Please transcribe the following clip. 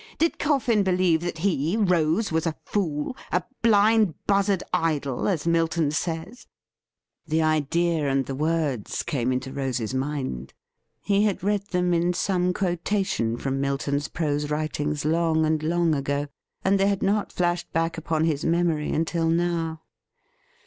Did Coffin believe that he. Rose, was a fool .''— a ' blind buzzard idol,' as Milton says ? The idea and the WHAT IS TO BE DONE NEXT ? ^95 words came into Rose's mind. He had read them in some quotation from Milton's prose writings long and long ago, and they had not flashed back upon his memory until nbw.